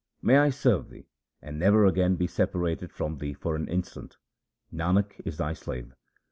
May I serve thee and never again be separated from thee for an instant ! Nanak is thy slave.